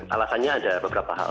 alasannya ada beberapa hal